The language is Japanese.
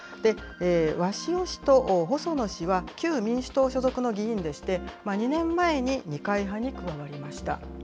鷲尾氏と細野氏は旧民主党所属の議員でして、２年前に二階派に加わりました。